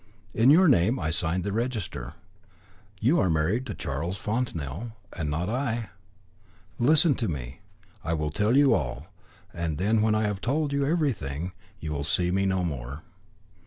In your name I signed the register. You are married to Charles Fontanel and not I. Listen to me. I will tell you all, and when I have told you everything you will see me no more.